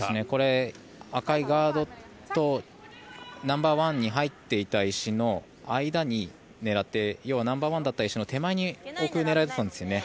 これ、赤いガードとナンバーワンに入っていた石の間に狙ってナンバーワンだった石の手前に置く狙いだったんです。